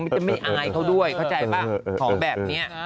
จะไม่อายเขาด้วยเข้าใจป่ะของแบบนี้